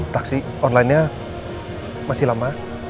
taksi onlinenya masih lama